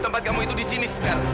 tempat kamu itu di sini sekarang